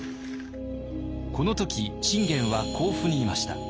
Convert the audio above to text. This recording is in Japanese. この時信玄は甲府にいました。